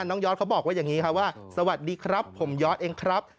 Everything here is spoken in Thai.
ยอดเขาบอกว่าอย่างนี้ครับว่าสวัสดีครับผมยอดเองครับ